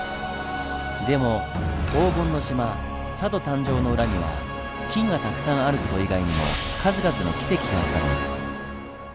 でも「黄金の島」佐渡誕生の裏には金がたくさんある事以外にも数々のキセキがあったんです。